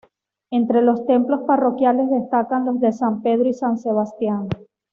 Entre los templos parroquiales destacan los de San Pedro y San Sebastián.